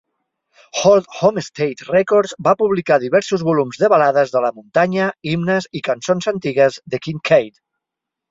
Old Homestead Records va publicar diversos volums de balades de la muntanya, himnes i cançons antigues de Kincaid.